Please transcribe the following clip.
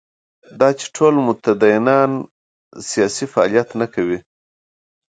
دا چې ټول متدینان سیاسي فعالیت نه کوي.